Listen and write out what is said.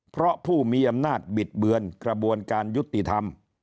เพราะผู้มีอำนาจบิดเบือนกระบวนการยุติธรรม